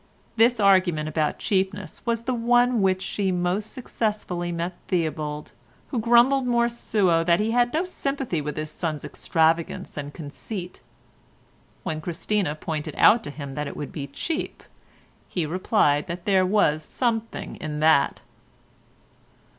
This argument about cheapness was the one with which she most successfully met Theobald, who grumbled more suo that he had no sympathy with his son's extravagance and conceit. When Christina pointed out to him that it would be cheap he replied that there was something in that.